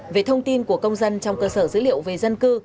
về thông tin của công dân trong cơ sở dữ liệu về dân cư